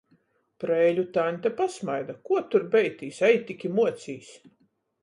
Preiļu taņte pasmaida: "Kuo tur beitīs, ej tik i muocīs!"